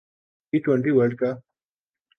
T twenty world ک